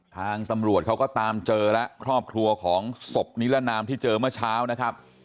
ทางตำรวจเขาก็ตามเจอแล้วครอบครัวของศพนิรนามที่เจอเมื่อเช้านะครับ